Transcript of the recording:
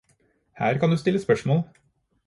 Her kan du stille spørsmål